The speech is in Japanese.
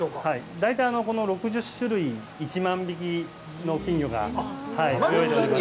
大体この６０種類、１万匹の金魚が泳いでおります。